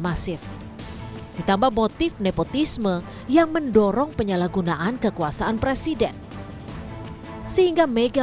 masif ditambah motif nepotisme yang mendorong penyalahgunaan kekuasaan presiden sehingga mega